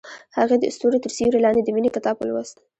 هغې د ستوري تر سیوري لاندې د مینې کتاب ولوست.